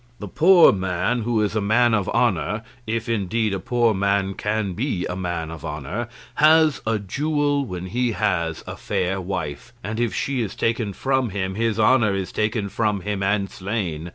The poor man who is a man of honour (if indeed a poor man can be a man of honour) has a jewel when he has a fair wife, and if she is taken from him, his honour is taken from him and slain.